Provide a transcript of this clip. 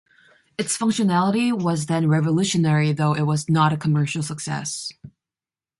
Its functionality was then revolutionary, though it was not a commercial success.